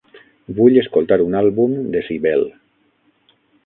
Vull escoltar un àlbum de Sibel.